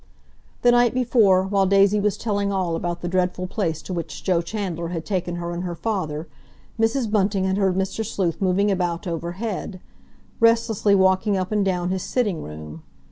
The night before, while Daisy was telling all about the dreadful place to which Joe Chandler had taken her and her father, Mrs. Bunting had heard Mr. Sleuth moving about overhead, restlessly walking up and down his sitting room.